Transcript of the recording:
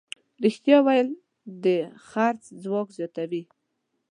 رښتیا ویل د خرڅ ځواک زیاتوي.